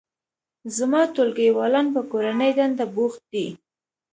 زما ټولګیوالان په کورنۍ دنده بوخت دي